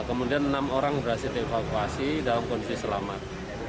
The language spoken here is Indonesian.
kemudian enam orang berhasil dievakuasi dalam kondisi selamat